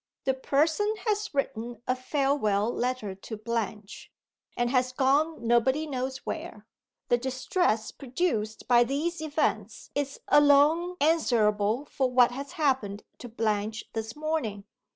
The Person has written a farewell letter to Blanche, and has gone nobody knows where. The distress produced by these events is alone answerable for what has happened to Blanche this morning.